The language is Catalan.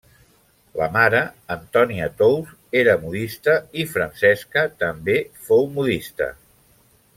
La mare, Antònia Tous, era modista i Francesca també fou modista.